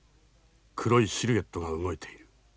黒いシルエットが動いている。